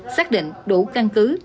xác định đủ căn cứ